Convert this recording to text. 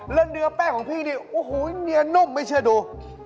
เนื้อแป้งของพี่นี่โอ้โหเนียนนุ่มไม่เชื่อดู